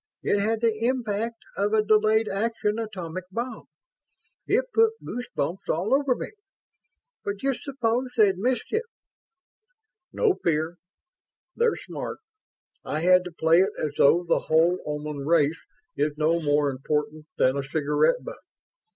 It had the impact of a delayed action atomic bomb. It put goose bumps all over me. But just s'pose they'd missed it?" "No fear. They're smart. I had to play it as though the whole Oman race is no more important than a cigarette butt.